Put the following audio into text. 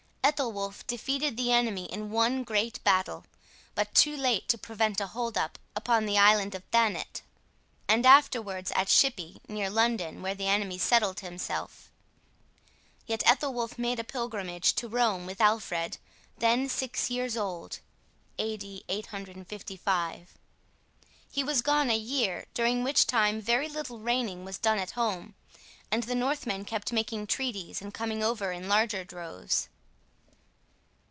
Ethelwolf defeated the enemy in one great battle, but too late to prevent a hold up upon the island of Thanet, and afterwards at Shippey, near London, where the enemy settled himself. Yet Ethelwolf made a pilgrimage to Rome with Alfred, then six years old (A.D. 855). He was gone a year, during which time very little reigning was done at home, and the Northmen kept making treaties and coming over in larger droves.